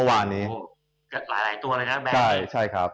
หลายตัวแล้วนะครับ